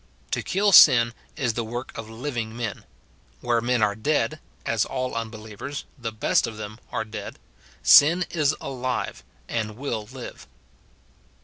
To kill sin is the work of living men ; where men are dead (as all unbelievers, the best of them, are dead), sin is alivey and will live.